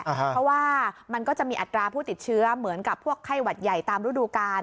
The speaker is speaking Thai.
เพราะว่ามันก็จะมีอัตราผู้ติดเชื้อเหมือนกับพวกไข้หวัดใหญ่ตามฤดูกาล